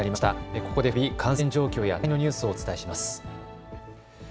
ここで再び感染状況や大会のニュースをお伝えします。